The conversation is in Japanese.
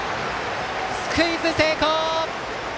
スクイズ成功！